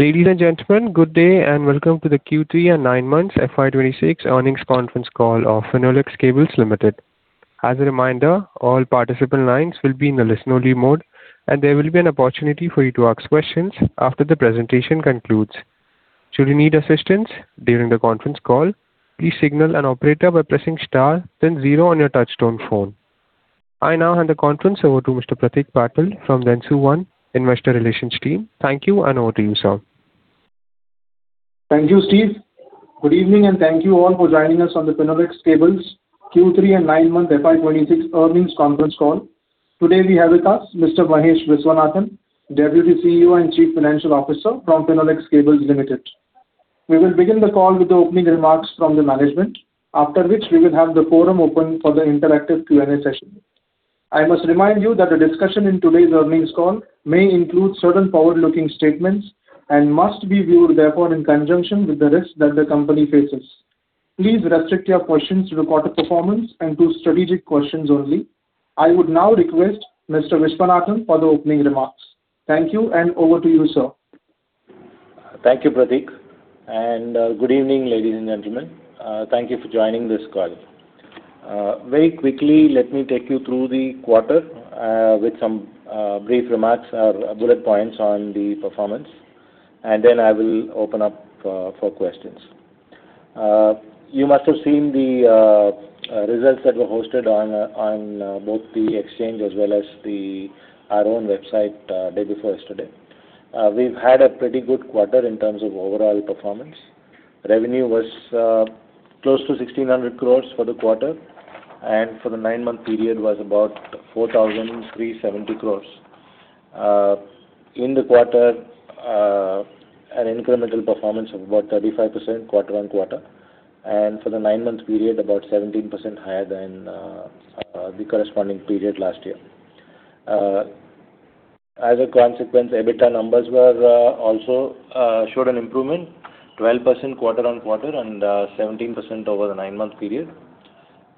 Ladies and gentlemen, good day, and welcome to the Q3 and nine months FY 2026 earnings conference call of Finolex Cables Limited. As a reminder, all participant lines will be in the listen-only mode, and there will be an opportunity for you to ask questions after the presentation concludes. Should you need assistance during the conference call, please signal an operator by pressing star, then zero on your touchtone phone. I now hand the conference over to Mr. Pratik Patil from the Dentsu One Investor Relations team. Thank you, and over to you, sir. Thank you, Steve. Good evening, and thank you all for joining us on the Finolex Cables Q3 and nine-month FY 2026 earnings conference call. Today, we have with us Mr. Mahesh Viswanathan, Deputy CEO and Chief Financial Officer from Finolex Cables Limited. We will begin the call with the opening remarks from the management, after which we will have the forum open for the interactive Q&A session. I must remind you that the discussion in today's earnings call may include certain forward-looking statements and must be viewed, therefore, in conjunction with the risks that the company faces. Please restrict your questions to the quarter performance and to strategic questions only. I would now request Mr. Viswanathan for the opening remarks. Thank you, and over to you, sir. Thank you, Pratik, and good evening, ladies and gentlemen. Thank you for joining this call. Very quickly, let me take you through the quarter with some brief remarks or bullet points on the performance, and then I will open up for questions. You must have seen the results that were hosted on both the exchange as well as our own website day before yesterday. We've had a pretty good quarter in terms of overall performance. Revenue was close to 1,600 crores for the quarter, and for the nine-month period was about 4,370 crores. In the quarter, an incremental performance of about 35%, quarter-on-quarter, and for the nine-month period, about 17% higher than the corresponding period last year. As a consequence, EBITDA numbers were also showed an improvement, 12% quarter-on-quarter and 17% over the nine-month period.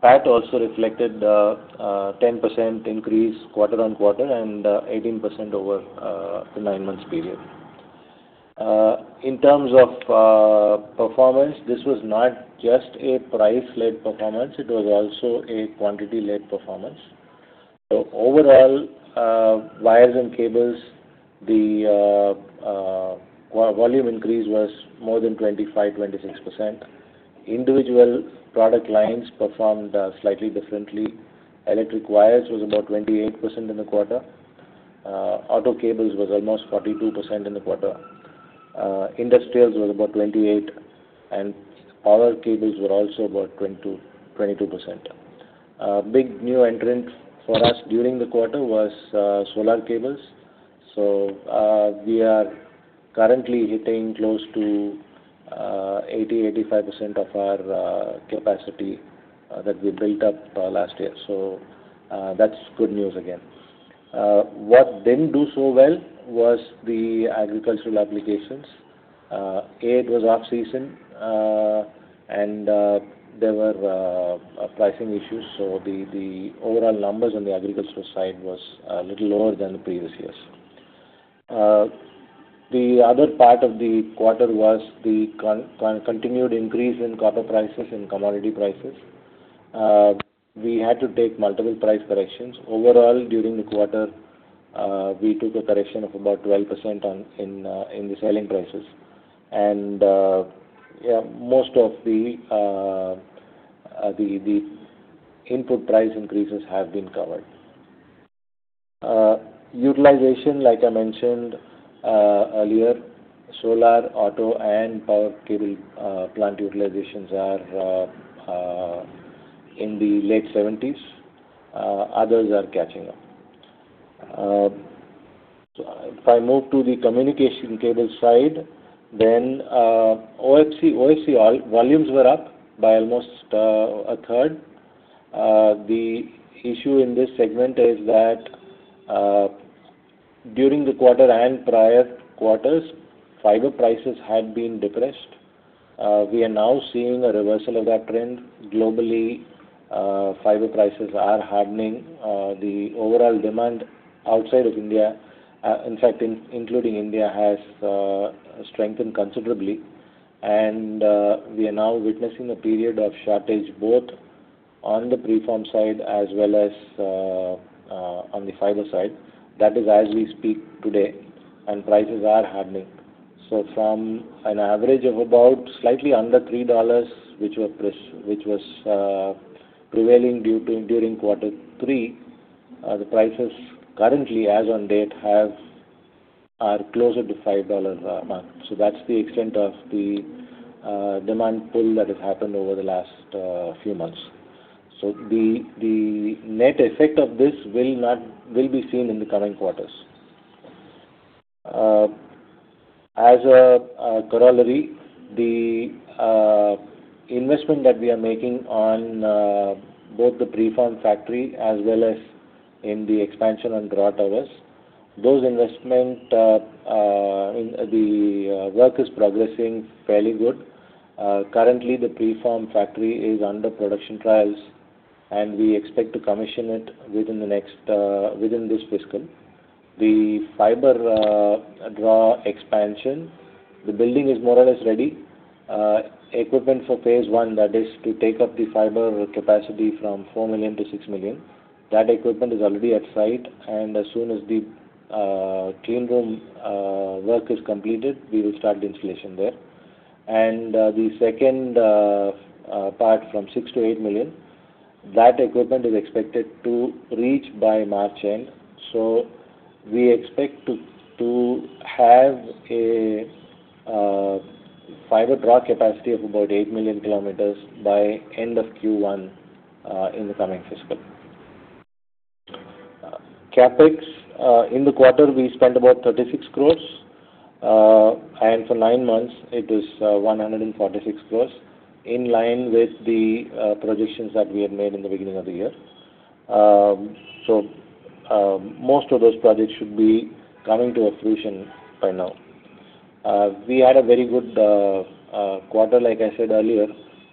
PAT also reflected a 10% increase quarter-on-quarter and 18% over the nine-month period. In terms of performance, this was not just a price-led performance, it was also a quantity-led performance. So overall, wires and cables, the volume increase was more than 25-26%. Individual product lines performed slightly differently. Electric wires was about 28% in the quarter, auto cables was almost 42% in the quarter, industrials was about 28%, and power cables were also about 22%. Big new entrant for us during the quarter was solar cables. So, we are currently hitting close to 80%-85% of our capacity that we built up last year. So, that's good news again. What didn't do so well was the agricultural applications. It was off-season and there were pricing issues, so the overall numbers on the agricultural side was little lower than the previous years. The other part of the quarter was the continued increase in copper prices and commodity prices. We had to take multiple price corrections. Overall, during the quarter, we took a correction of about 12% in the selling prices. And most of the input price increases have been covered. Utilization, like I mentioned earlier, solar, auto, and power cable plant utilizations are in the late 70s. Others are catching up. So if I move to the communication cable side, then OFC volumes were up by almost a third. The issue in this segment is that during the quarter and prior quarters, fiber prices had been depressed. We are now seeing a reversal of that trend. Globally, fiber prices are hardening. The overall demand outside of India, in fact, including India, has strengthened considerably, and we are now witnessing a period of shortage both on the preform side as well as on the fiber side. That is as we speak today, and prices are hardening. So from an average of about slightly under $3, which was prevailing during quarter three, the prices currently, as on date, are closer to $5 mark. So that's the extent of the demand pull that has happened over the last few months. So the net effect of this will be seen in the coming quarters. As a corollary, the investment that we are making on both the preform factory as well as in the expansion on towers, those investments, the work is progressing fairly good. Currently, the preform factory is under production trials. We expect to commission it within this fiscal. The fiber draw expansion, the building is more or less ready. Equipment for phase one, that is to take up the fiber capacity from 4 million to 6 million. That equipment is already at site, and as soon as the clean room work is completed, we will start the installation there. The second part from 6 to 8 million, that equipment is expected to reach by March end. We expect to have a fiber draw capacity of about 8 million kilometers by end of Q1 in the coming fiscal. CapEx in the quarter, we spent about 36 crores, and for 9 months it is 146 crores, in line with the projections that we had made in the beginning of the year. So most of those projects should be coming to a fruition by now. We had a very good quarter, like I said earlier,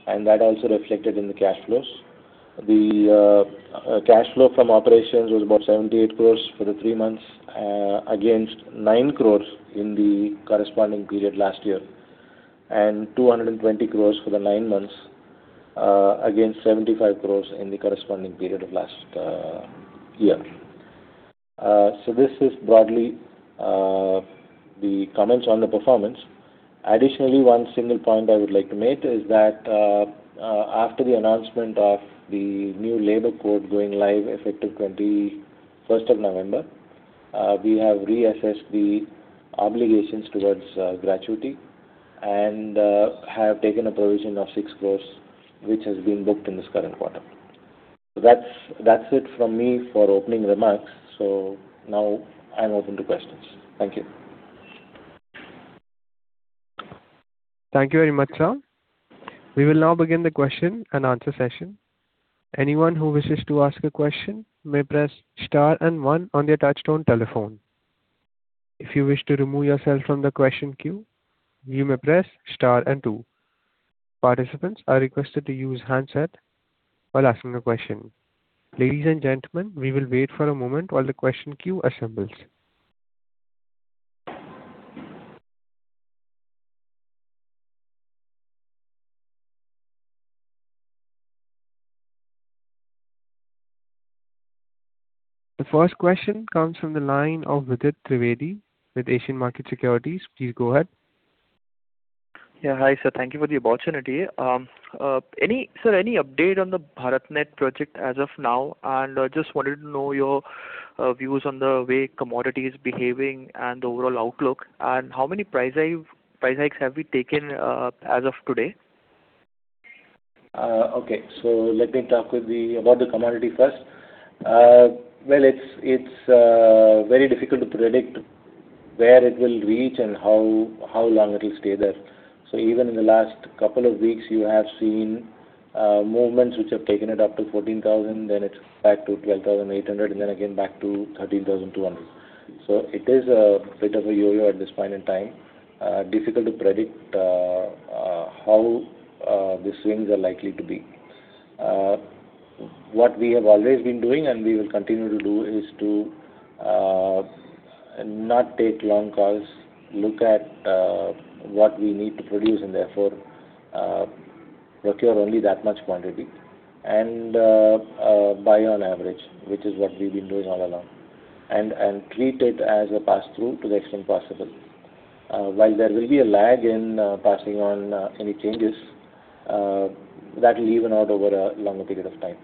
and that also reflected in the cash flows. The cash flow from operations was about 78 crore for the three months, against 9 crore in the corresponding period last year, and 220 crore for the nine months, against 75 crore in the corresponding period of last year. So this is broadly the comments on the performance. Additionally, one single point I would like to make is that, after the announcement of the new labor code going live, effective twenty-first of November, we have reassessed the obligations towards gratuity and have taken a provision of 6 crore, which has been booked in this current quarter. That's it from me for opening remarks. So now I'm open to questions. Thank you. Thank you very much, sir. We will now begin the question and answer session. Anyone who wishes to ask a question may press star and 1 on their touchtone telephone. If you wish to remove yourself from the question queue, you may press star and 2. Participants are requested to use handset while asking a question. Ladies and gentlemen, we will wait for a moment while the question queue assembles. The first question comes from the line of Vidit Trivedi with Asian Market Securities. Please go ahead. Yeah. Hi, sir. Thank you for the opportunity. Any, sir, any update on the BharatNet project as of now? And I just wanted to know your views on the way commodity is behaving and the overall outlook, and how many price hike, price hikes have we taken as of today? Okay. So let me talk about the commodity first. Well, it's very difficult to predict where it will reach and how long it will stay there. So even in the last couple of weeks, you have seen movements which have taken it up to $14,000, then it's back to $12,800, and then again back to $13,200. So it is a bit of a yo-yo at this point in time. Difficult to predict how the swings are likely to be. What we have always been doing, and we will continue to do, is to not take long calls, look at what we need to produce and therefore procure only that much quantity and buy on average, which is what we've been doing all along. And treat it as a passthrough to the extent possible. While there will be a lag in passing on any changes, that will even out over a longer period of time.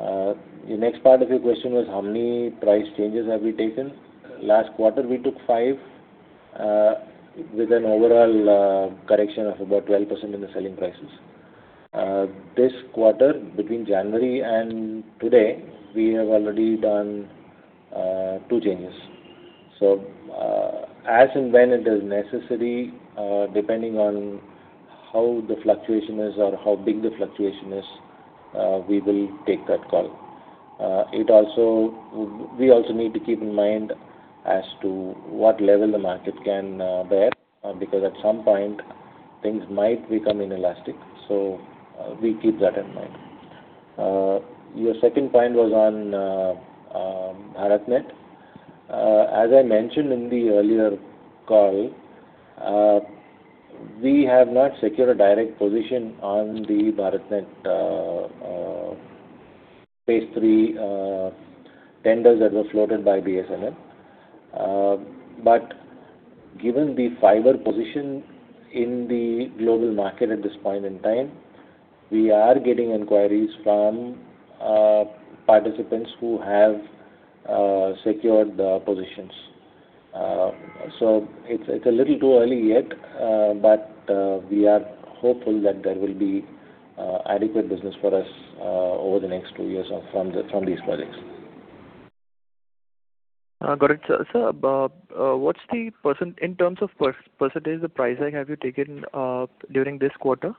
The next part of your question was how many price changes have we taken? Last quarter, we took 5 with an overall correction of about 12% in the selling prices. This quarter, between January and today, we have already done 2 changes. So, as and when it is necessary, depending on how the fluctuation is or how big the fluctuation is, we will take that call. We also need to keep in mind as to what level the market can bear, because at some point things might become inelastic. So, we keep that in mind. Your second point was on BharatNet. As I mentioned in the earlier call, we have not secured a direct position on the BharatNet phase three tenders that were floated by BSNL. But given the fiber position in the global market at this point in time, we are getting inquiries from participants who have secured the positions. So it's a little too early yet, but we are hopeful that there will be adequate business for us over the next two years from these projects. Got it. Sir, sir, what's the percentage? In terms of percentage, the price hike, have you taken during this quarter?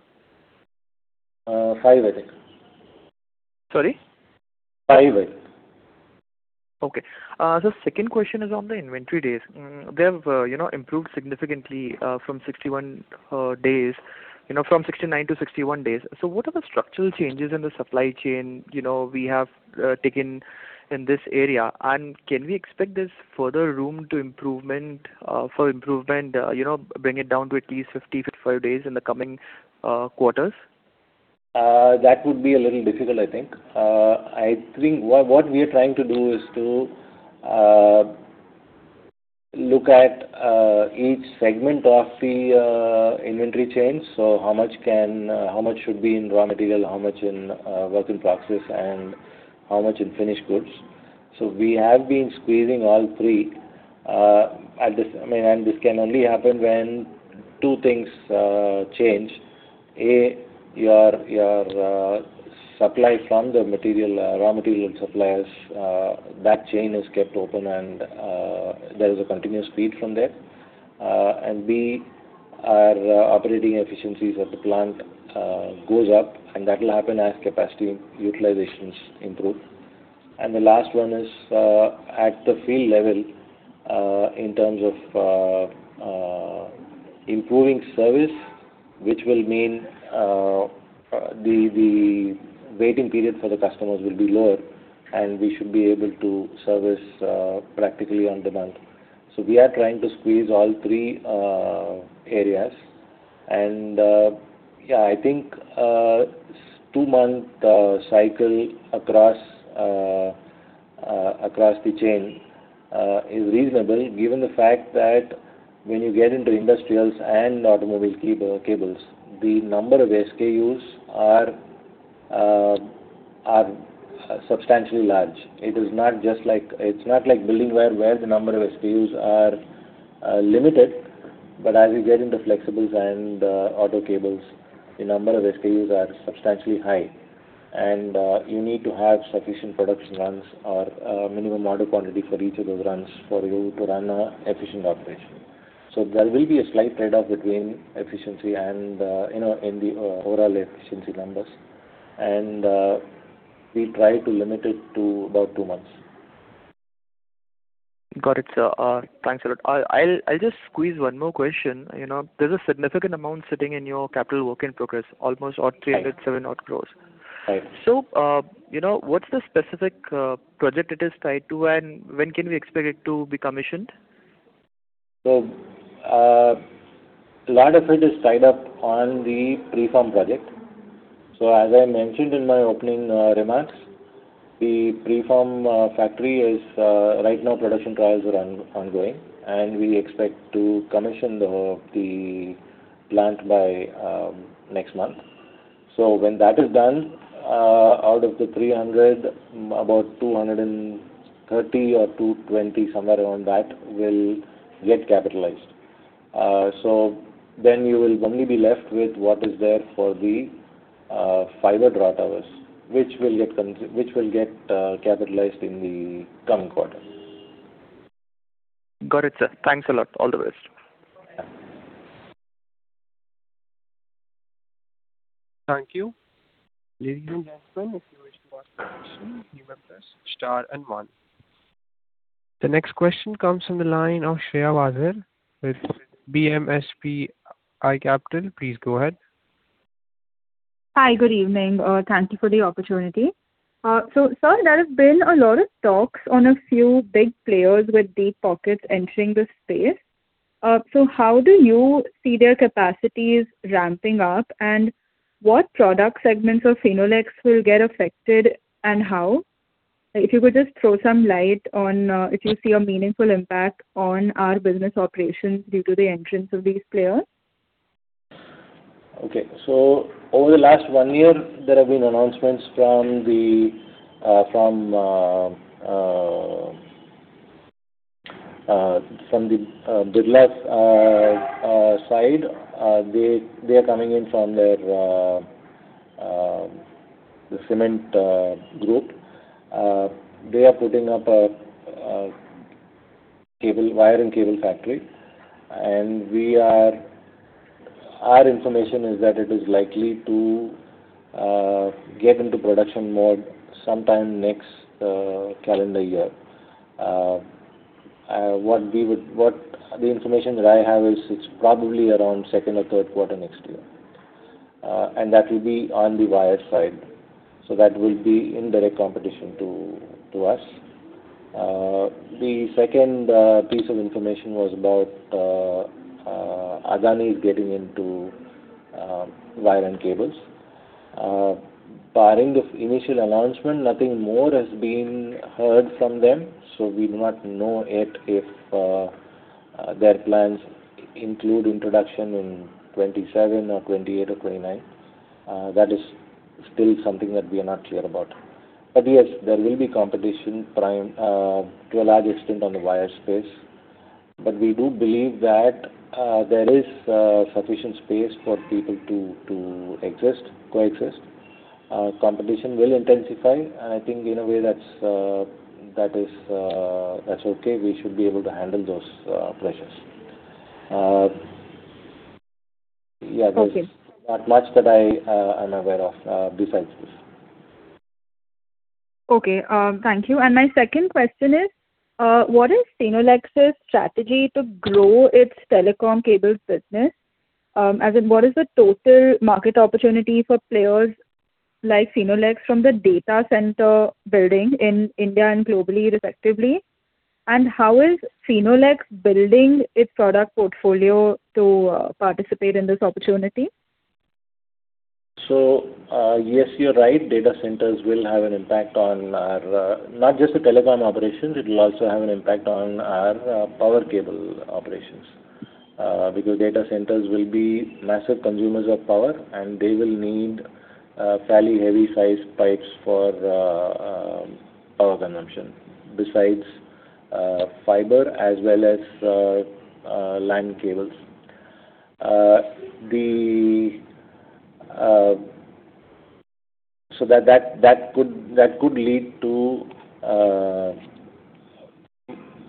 5, I think. Sorry? 5, I think. ...Okay. The second question is on the inventory days. They have, you know, improved significantly, from 61 days, you know, from 69 to 61 days. So what are the structural changes in the supply chain, you know, we have taken in this area? And can we expect this further room to improvement, for improvement, you know, bring it down to at least 50, 55 days in the coming quarters? That would be a little difficult, I think. I think what we are trying to do is to look at each segment of the inventory chain. So how much should be in raw material, how much in work in process, and how much in finished goods. So we have been squeezing all three at this—I mean, and this can only happen when two things change: A, your supply from the raw material suppliers, that chain is kept open and there is a continuous feed from there. And B, our operating efficiencies at the plant goes up, and that will happen as capacity utilizations improve. The last one is at the field level in terms of improving service, which will mean the waiting period for the customers will be lower, and we should be able to service practically on demand. So we are trying to squeeze all three areas. And yeah, I think 2-month cycle across the chain is reasonable, given the fact that when you get into industrials and automobile cables, the number of SKUs are substantially large. It is not just like... It's not like building where the number of SKUs are limited, but as you get into flexibles and auto cables, the number of SKUs are substantially high. You need to have sufficient production runs or minimum order quantity for each of those runs for you to run an efficient operation. So there will be a slight trade-off between efficiency and, you know, in the overall efficiency numbers. We try to limit it to about two months. Got it, sir. Thanks a lot. I'll just squeeze one more question. You know, there's a significant amount sitting in your capital work in progress, almost 307 crore. Right. You know, what's the specific project it is tied to, and when can we expect it to be commissioned? So, a lot of it is tied up on the preform project. So as I mentioned in my opening, remarks, the preform factory is, right now, production trials are ongoing, and we expect to commission the, the plant by, next month. So when that is done, out of the 300, about 230 or 220, somewhere around that, will get capitalized. So then you will only be left with what is there for the, fiber draw towers, which will get, which will get, capitalized in the coming quarter. Got it, sir. Thanks a lot. All the best. Yeah. Thank you. Ladies and gentlemen, if you wish to ask a question, you may press star and one. The next question comes from the line of Shreya Wazel with BMSP iCapital. Please go ahead. Hi, good evening. Thank you for the opportunity. So sir, there have been a lot of talks on a few big players with deep pockets entering the space. So how do you see their capacities ramping up, and what product segments of Finolex will get affected, and how? If you could just throw some light on if you see a meaningful impact on our business operations due to the entrance of these players? Okay. So over the last one year, there have been announcements from the Birla's side. They are coming in from their the cement group. They are putting up a cable, wire and cable factory, and we are... Our information is that it is likely to get into production mode sometime next calendar year. What the information that I have is it's probably around second or third quarter next year. And that will be on the wire side, so that will be in direct competition to us. The second piece of information was about Adani is getting into wire and cables. Barring the initial announcement, nothing more has been heard from them, so we do not know yet if their plans include introduction in 2027 or 2028 or 2029. That is still something that we are not clear about. But yes, there will be competition, primarily to a large extent on the wire space. But we do believe that there is sufficient space for people to exist, coexist. Competition will intensify, and I think in a way, that's okay. We should be able to handle those pressures. Yeah, there's not much that I am aware of besides this. Okay, thank you. My second question is, what is Finolex's strategy to grow its telecom cables business? As in, what is the total market opportunity for players like Finolex from the data center building in India and globally, respectively? And how is Finolex building its product portfolio to participate in this opportunity? So, yes, you're right. Data centers will have an impact on our, not just the telecom operations, it will also have an impact on our, power cable operations. Because data centers will be massive consumers of power, and they will need, fairly heavy-sized pipes for the, power consumption, besides, fiber as well as, LAN cables. So that could lead to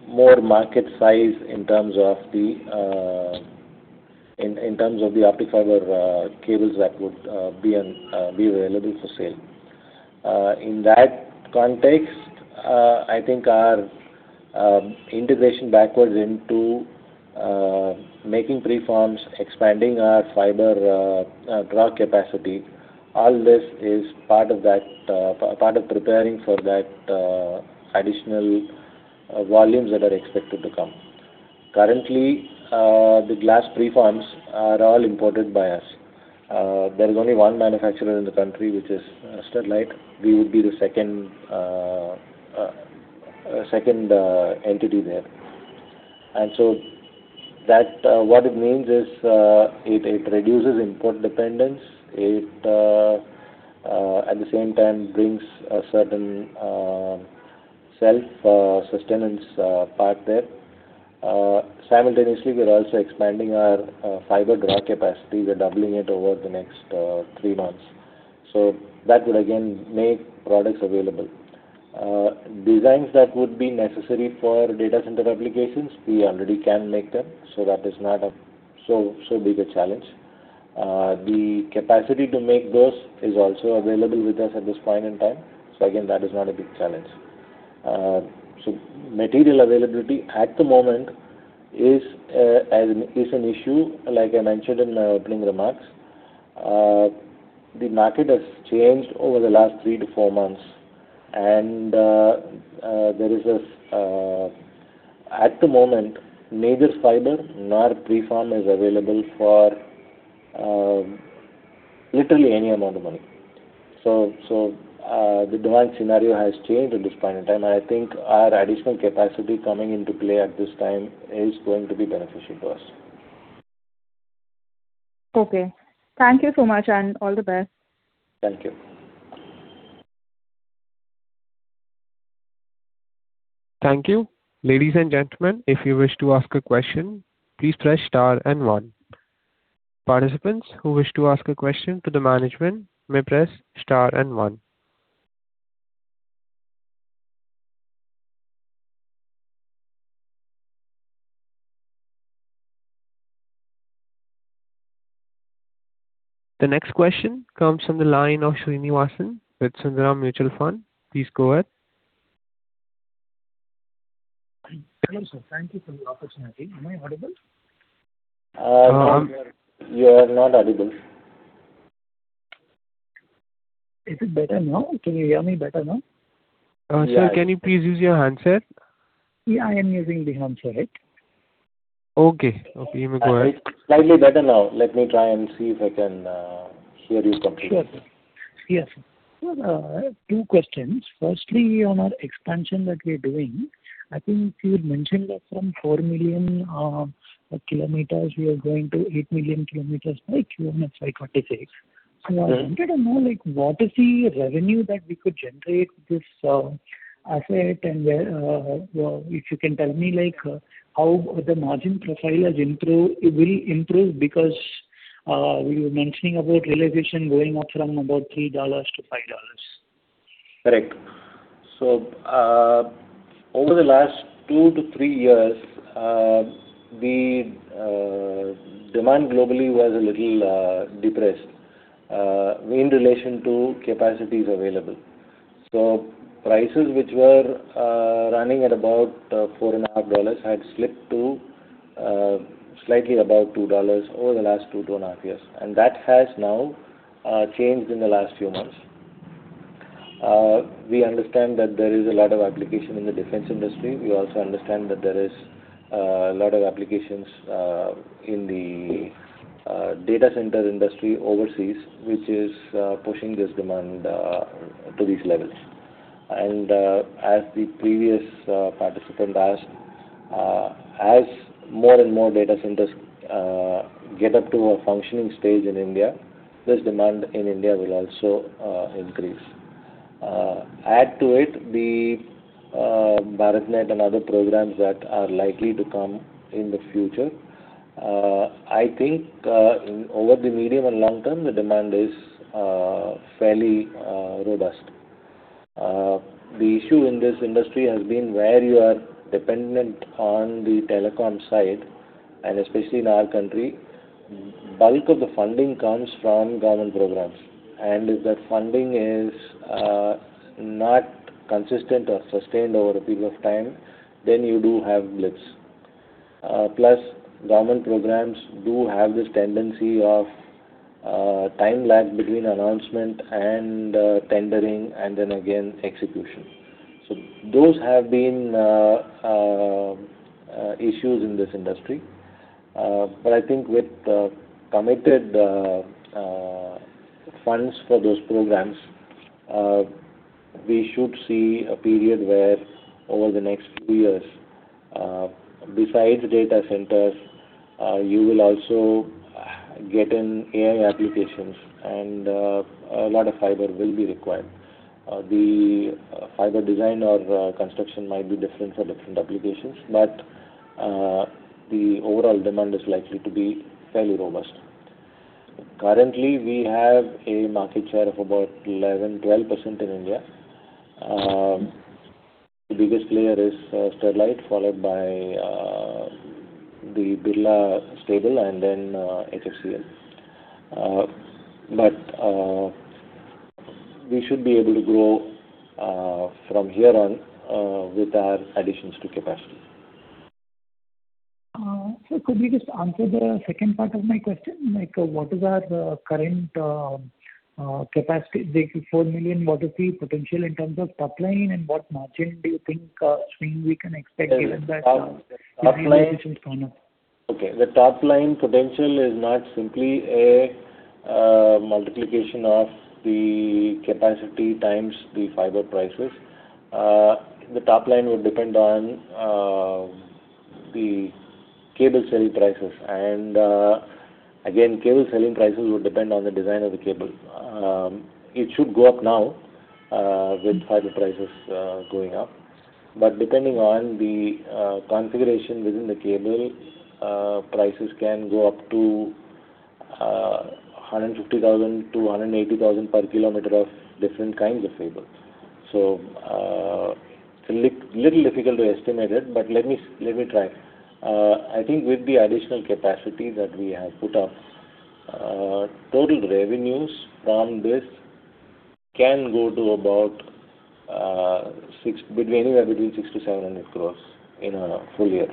more market size in terms of the, in terms of the optical fiber cables that would be available for sale. In that context, I think our integration backwards into making preforms, expanding our fiber draw capacity, all this is part of that, part of preparing for that additional volumes that are expected to come. Currently, the glass preforms are all imported by us. There is only one manufacturer in the country, which is Sterlite. We would be the second entity there. And so that what it means is, it reduces import dependence. It at the same time brings a certain self sustenance part there. Simultaneously, we're also expanding our fiber draw capacity. We're doubling it over the next three months. So that will again make products available. Designs that would be necessary for data center applications, we already can make them, so that is not a so big a challenge. The capacity to make those is also available with us at this point in time, so again, that is not a big challenge. So material availability at the moment is an issue, like I mentioned in the opening remarks. The market has changed over the last 3-4 months. At the moment, neither fiber nor preform is available for literally any amount of money. So the demand scenario has changed at this point in time, and I think our additional capacity coming into play at this time is going to be beneficial to us. Okay. Thank you so much, and all the best. Thank you. Thank you. Ladies and gentlemen, if you wish to ask a question, please press star and one. Participants who wish to ask a question to the management may press star and one. The next question comes from the line of Srinivasan with Sundaram Mutual Fund. Please go ahead. Hello, sir. Thank you for the opportunity. Am I audible? You are not audible. Is it better now? Can you hear me better now? Sir, can you please use your handset? Yeah, I am using the handset. Okay. Okay, you may go ahead. Slightly better now. Let me try and see if I can hear you completely. Sure. Yes. I have two questions. Firstly, on our expansion that we are doing, I think you had mentioned that from 4 million kilometers, we are going to 8 million kilometers by Q1 FY2026. Mm-hmm. So I wanted to know, like, what is the revenue that we could generate with this asset? And where, if you can tell me, like, how the margin profile has improved, will improve, because you were mentioning about realization going up from about $3-$5. Correct. So, over the last 2-3 years, the demand globally was a little depressed in relation to capacities available. So prices, which were running at about $4.5, had slipped to slightly above $2 over the last 2-2.5 years, and that has now changed in the last few months. We understand that there is a lot of application in the defense industry. We also understand that there is a lot of applications in the data center industry overseas, which is pushing this demand to these levels. And, as the previous participant asked, as more and more data centers get up to a functioning stage in India, this demand in India will also increase. Add to it the BharatNet and other programs that are likely to come in the future. I think over the medium and long term, the demand is fairly robust. The issue in this industry has been where you are dependent on the telecom side, and especially in our country, bulk of the funding comes from government programs. And if that funding is not consistent or sustained over a period of time, then you do have blips. Plus, government programs do have this tendency of time lag between announcement and tendering, and then again, execution. So those have been issues in this industry. But I think with the committed funds for those programs, we should see a period where over the next two years, besides data centers, you will also get in AI applications, and a lot of fiber will be required. The fiber design or construction might be different for different applications, but the overall demand is likely to be fairly robust. Currently, we have a market share of about 11-12% in India. The biggest player is Sterlite, followed by the Birla stable and then HFCL. But we should be able to grow from here on with our additions to capacity. Sir, could you just answer the second part of my question? Like, what is our current capacity? The 4 million, what is the potential in terms of top line, and what margin do you think we can expect given that? Okay, the top line potential is not simply a multiplication of the capacity times the fiber prices. The top line would depend on the cable selling prices, and again, cable selling prices would depend on the design of the cable. It should go up now with fiber prices going up. But depending on the configuration within the cable, prices can go up to 150,000-180,000 per kilometer of different kinds of cables. So, little difficult to estimate it, but let me try. I think with the additional capacity that we have put up, total revenues from this can go to about between anywhere between 600-700 crore in a full year.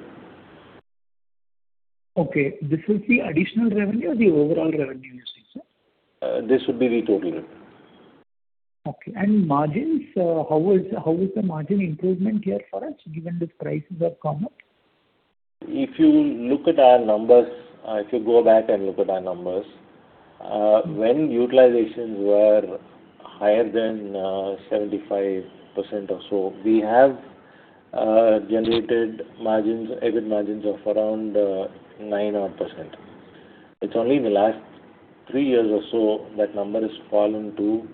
Okay, this is the additional revenue or the overall revenue you see, sir? This would be the total revenue. Okay. Margins, how is the margin improvement here for us, given the prices have come up? If you look at our numbers, if you go back and look at our numbers, when utilizations were higher than 75% or so, we have generated margins, EBIT margins of around 9 odd %. It's only in the last 3 years or so, that number has fallen to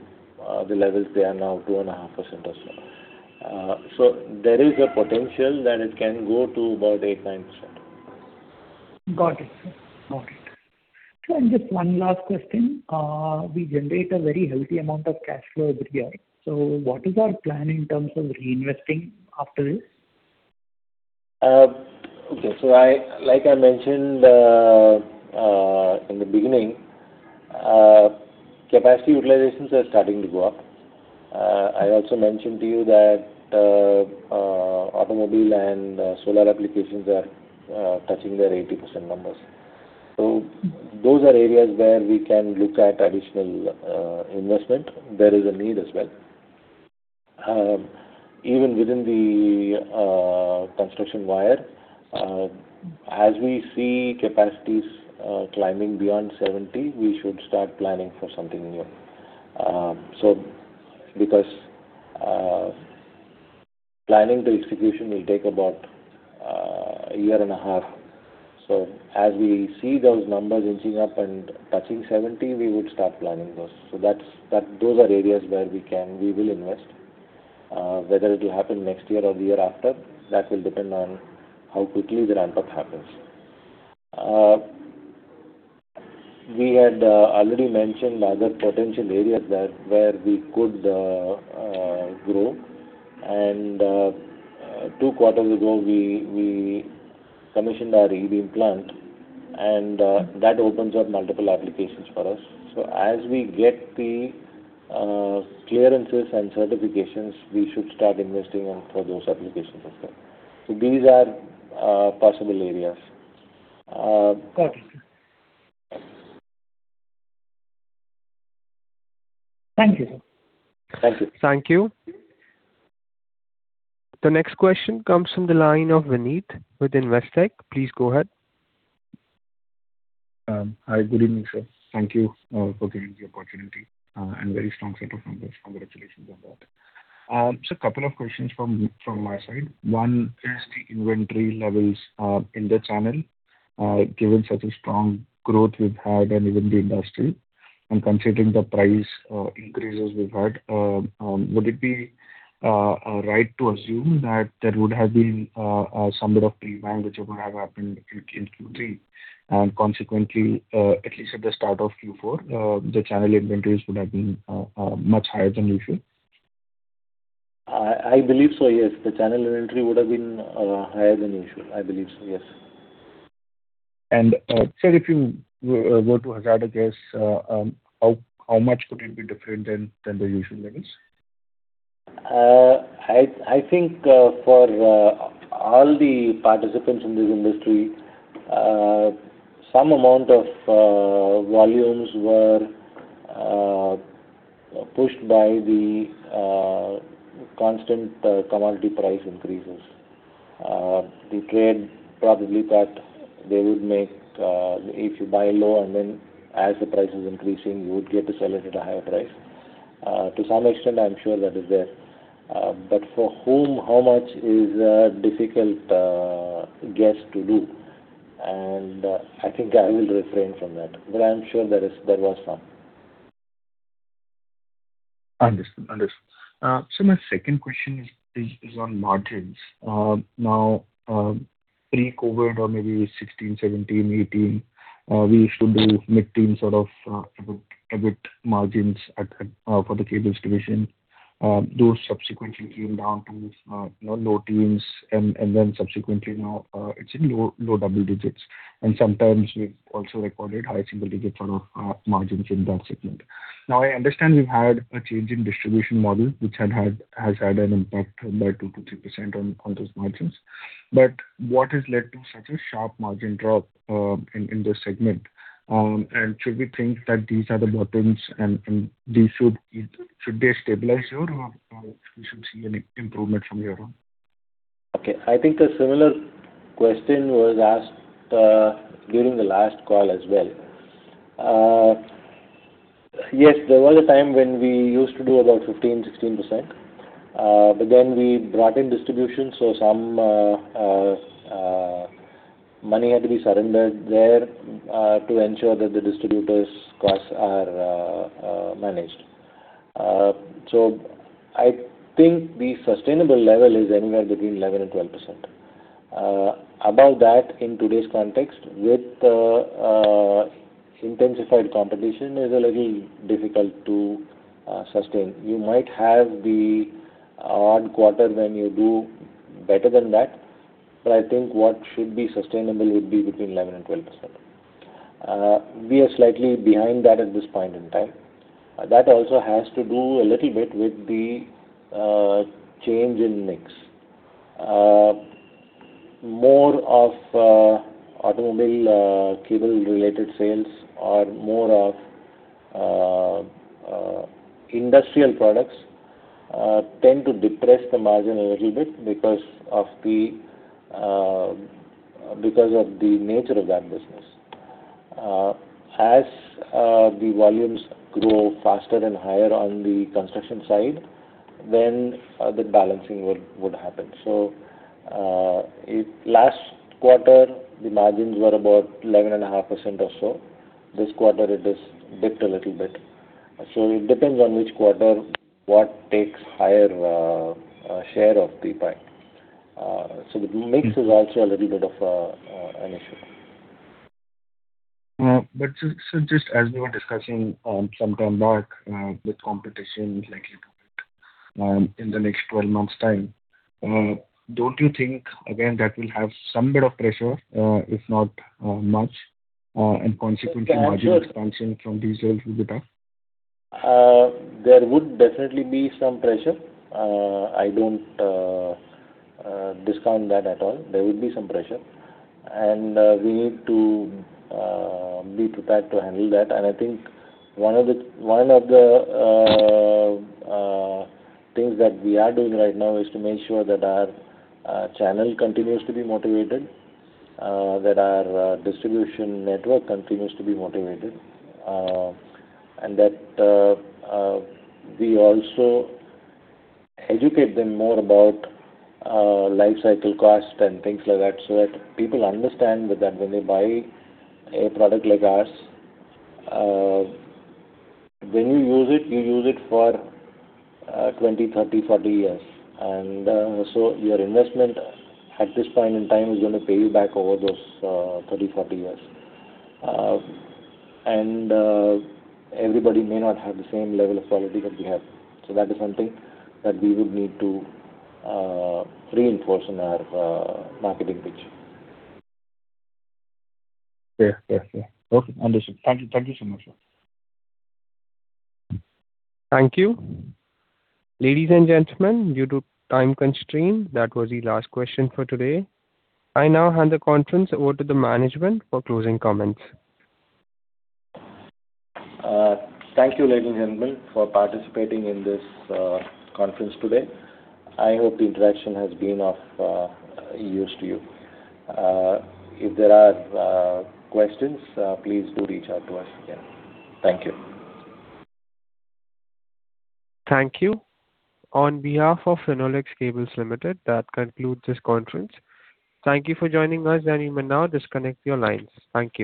the levels they are now, 2.5% or so. So there is a potential that it can go to about 8%-9%. Got it, sir. Got it. So just one last question. We generate a very healthy amount of cash flow every year. So what is our plan in terms of reinvesting after this? Like I mentioned in the beginning, capacity utilizations are starting to go up. I also mentioned to you that automobile and solar applications are touching their 80% numbers. So those are areas where we can look at additional investment. There is a need as well. Even within the construction wire, as we see capacities climbing beyond 70, we should start planning for something new. So because planning to execution will take about a year and a half. So as we see those numbers inching up and touching 70, we would start planning those. So those are areas where we can, we will invest. Whether it will happen next year or the year after, that will depend on how quickly the ramp-up happens. We had already mentioned other potential areas that where we could grow, and 2 quarters ago, we commissioned our EV plant, and that opens up multiple applications for us. So as we get the clearances and certifications, we should start investing on for those applications as well. So these are possible areas. Got it. Thank you, sir. Thank you. Thank you. The next question comes from the line of Vineet with Investec. Please go ahead. Hi. Good evening, sir. Thank you, for giving me the opportunity, and very strong set of numbers. Congratulations on that. So a couple of questions from me, from my side. One is the inventory levels, in the channel. Given such a strong growth we've had and even the industry, and considering the price, increases we've had, would it be, right to assume that there would have been, some bit of demand which would have happened in Q3, and consequently, at least at the start of Q4, the channel inventories would have been, much higher than usual?... I believe so, yes. The channel inventory would have been higher than usual. I believe so, yes. Sir, if you were to hazard a guess, how much could it be different than the usual levels? I think for all the participants in this industry, some amount of volumes were pushed by the constant commodity price increases. They cared probably that they would make, if you buy low and then as the price is increasing, you would get to sell it at a higher price. To some extent, I'm sure that is there. But for whom, how much is a difficult guess to do, and I think I will refrain from that, but I'm sure there is, there was some. Understood. Understood. So my second question is on margins. Now, pre-COVID or maybe 2016, 2017, 2018, we used to do mid-teen sort of EBIT margins for the cables division. Those subsequently came down to, you know, low teens, and then subsequently now, it's in low double digits. And sometimes we've also recorded high single digits sort of margins in that segment. Now, I understand you've had a change in distribution model, which has had an impact by 2%-3% on those margins. But what has led to such a sharp margin drop in this segment? And should we think that these are the bottoms and they should stabilize here, or we should see any improvement from here on? Okay. I think a similar question was asked during the last call as well. Yes, there was a time when we used to do about 15-16%. But then we brought in distribution, so some money had to be surrendered there to ensure that the distributors' costs are managed. So I think the sustainable level is anywhere between 11% and 12%. Above that, in today's context, with the intensified competition, is a little difficult to sustain. You might have the odd quarter when you do better than that, but I think what should be sustainable would be between 11% and 12%. We are slightly behind that at this point in time. That also has to do a little bit with the change in mix. More of automobile cable-related sales or more of industrial products tend to depress the margin a little bit because of the nature of that business. As the volumes grow faster and higher on the construction side, then the balancing would happen. So, in last quarter, the margins were about 11.5% or so. This quarter, it is dipped a little bit. So it depends on which quarter, what takes higher share of the pie. So the mix is also a little bit of an issue. But, so just as we were discussing some time back, with competition likely to pick up in the next twelve months' time, don't you think again that will have some bit of pressure, if not much, and consequently margin expansion from these sales will be tough? There would definitely be some pressure. I don't discount that at all. There would be some pressure, and we need to be prepared to handle that. And I think one of the, one of the things that we are doing right now is to make sure that our channel continues to be motivated, that our distribution network continues to be motivated, and that we also educate them more about life cycle cost and things like that, so that people understand that when they buy a product like ours, when you use it, you use it for 20, 30, 40 years. And so your investment at this point in time is going to pay you back over those 30, 40 years. Everybody may not have the same level of quality that we have. So that is something that we would need to reinforce in our marketing pitch. Yeah. Yeah. Yeah. Okay, understood. Thank you. Thank you so much, sir. Thank you. Ladies and gentlemen, due to time constraint, that was the last question for today. I now hand the conference over to the management for closing comments. Thank you, ladies and gentlemen, for participating in this conference today. I hope the interaction has been of use to you. If there are questions, please do reach out to us again. Thank you. Thank you. On behalf of Finolex Cables Limited, that concludes this conference. Thank you for joining us, and you may now disconnect your lines. Thank you.